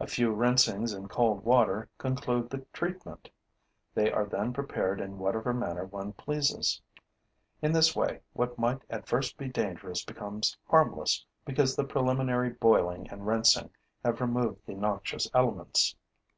A few rinsings in cold water conclude the treatment. They are then prepared in whatever manner one pleases. In this way, what might at first be dangerous becomes harmless, because the preliminary boiling and rinsing have removed the noxious elements.